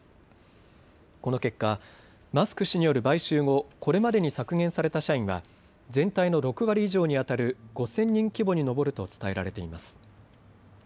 この結果、マスク氏による買収後、これまでに削減された社員は全体の６割以上にあたる５０００人規模に上ると伝えられています。